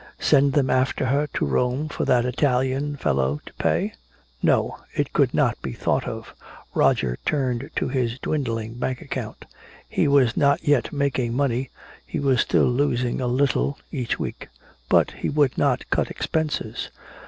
Send them after her to Rome for that Italian fellow to pay? No, it could not be thought of. Roger turned to his dwindling bank account. He was not yet making money, he was still losing a little each week. But he would not cut expenses.